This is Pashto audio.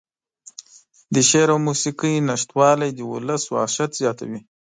د شعر او موسيقۍ نشتوالى د اولس وحشت زياتوي.